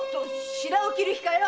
シラをきる気かよ！